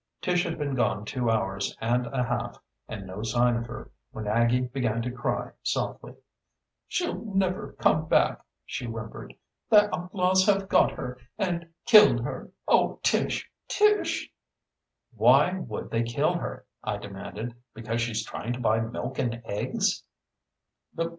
Tish had been gone two hours and a half and no sign of her, when Aggie began to cry softly. "She'll never come back!" she whimpered. "The outlaws have got her and killed her. Oh, Tish, Tish!" "Why would they kill her?" I demanded. "Because she's trying to buy milk and eggs?"